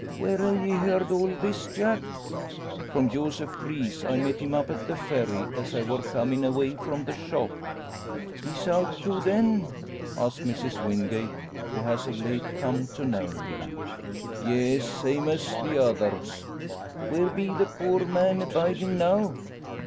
"Where ha' ye heerd all this, Jack?" "From Joseph Preece. I met him up at the Ferry, as I wor comin' away from the shop." "He's out too, then?" asks Mrs Wingate, who has of late come to know him. "Yes; same's the others." "Where be the poor man abidin' now?"